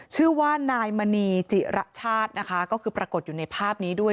ชื่อว่านายมณีจิระชาตินะคะก็คือปรากฏอยู่ในภาพนี้ด้วย